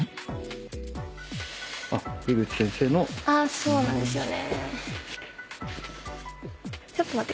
そうなんですよね。